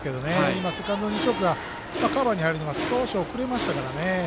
今、セカンドにショートがカバー入るのが少し遅れましたけどね。